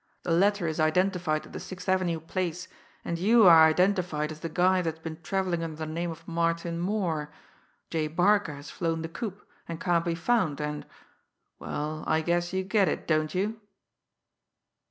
The letter is identified at the Sixth Avenue place, and you are identified as the guy that's been travelling under the name of Martin Moore. J. Barca has flown the coop and can't be found, and well, I guess you get it, don't you?"